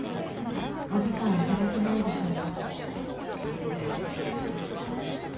「お時間いただけないでしょうか」